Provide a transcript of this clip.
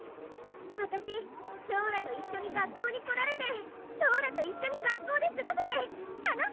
わたしローラと一緒に学校に来られてローラと一緒に学校ですごせて楽しかった！